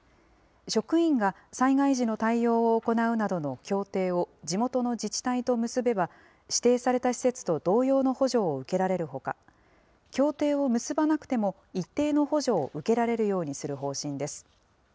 職員が災害時の対応を行うなどの協定を地元の自治体と結べば、指定された施設と同様の補助を受けられるほか、協定を結ばなくても一定の補助を受けられるようにする方針です。